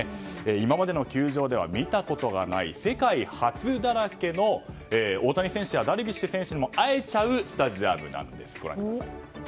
今までの球場では見たことがない、世界初だらけの大谷選手やダルビッシュ選手にも会えちゃうスタジアムなんです。